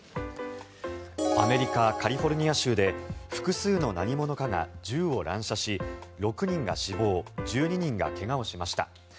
アメリカ・カリフォルニア州で複数の何者かが銃を乱射し、６人が死亡１２人が怪我をしました。